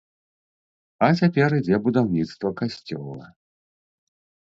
А цяпер ідзе будаўніцтва касцёла.